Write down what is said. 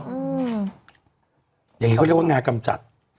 อย่างนี้เขาเรียกว่างากำจัด